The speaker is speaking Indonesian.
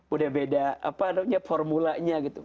udah beda apa namanya formulanya gitu